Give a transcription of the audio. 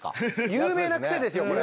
有名なクセですよこれ。